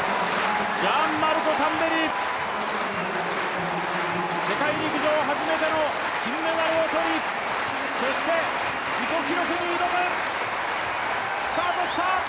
ジャンマルコ・タンベリ、世界陸上初めての金メダルを取り、そして自己記録に挑む、スタートした！